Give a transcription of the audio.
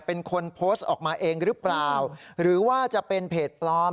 เป็นคนโพสต์ออกมาเองหรือเปล่าหรือว่าจะเป็นเพจปลอม